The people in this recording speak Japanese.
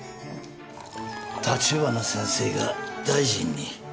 立花先生が大臣に。